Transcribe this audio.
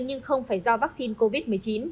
nhưng không phải do vaccine covid một mươi chín